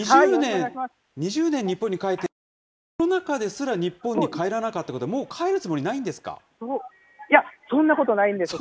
２０年、日本に帰ってない、コロナ禍ですら日本に帰らなかったということは、もう帰るつもりいや、そんなことないんです。